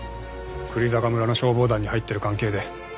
久里坂村の消防団に入ってる関係で。